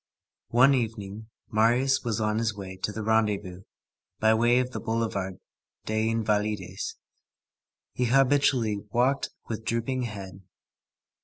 One evening, Marius was on his way to the rendezvous, by way of the Boulevard des Invalides. He habitually walked with drooping head.